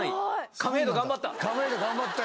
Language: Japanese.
亀戸頑張った。